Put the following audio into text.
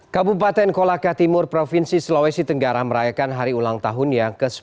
kabupaten kolaka timur provinsi sulawesi tenggara merayakan hari ulang tahun yang ke sepuluh